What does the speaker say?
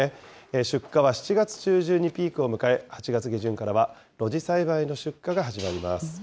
出荷は７月中旬にピークを迎え、８月下旬からは露地栽培の出荷が始まります。